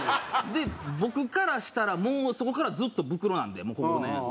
で僕からしたらもうそこからずっと「ブクロ」なんでここ５年。